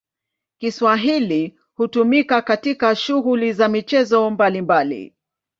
Kiswahili hutumika katika shughuli za michezo mbalimbali.